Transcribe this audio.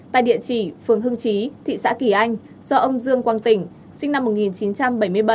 tại địa chỉ phường hưng trí thị xã kỳ anh do ông dương quang tỉnh sinh năm một nghìn chín trăm bảy mươi bảy